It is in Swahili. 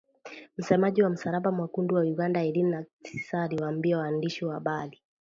Msemaji wa Msalaba Mwekundu wa Uganda Irene Nakasita aliwaambia waandishi wa habari